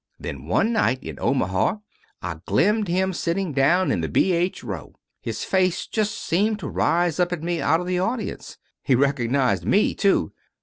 Then one night in Omaha, I glimmed him sitting down in the B. H. row. His face just seemed to rise up at me out of the audience. He recognized me, too.